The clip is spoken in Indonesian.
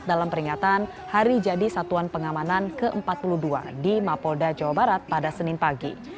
dalam peringatan hari jadi satuan pengamanan ke empat puluh dua di mapolda jawa barat pada senin pagi